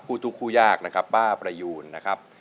ทุกคู่ยากนะครับป้าประยูนนะครับ